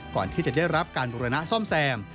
ก่อนที่จะได้รับการบุรณะซ่อมแซม